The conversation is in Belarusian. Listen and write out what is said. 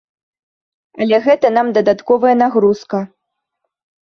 Але гэта нам дадатковая нагрузка.